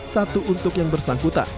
satu untuk yang bersangkutan